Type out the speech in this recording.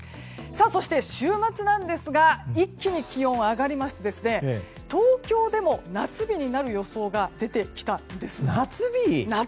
そして、週末なんですが一気に気温は上がりまして東京でも夏日になる予想が出てきたんです。